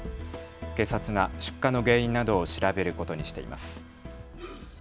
警察が出火の原因などを調べることにしています。